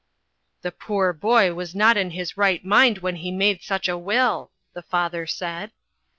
" The poor boy was not in his right mind when he made such a will," the father said.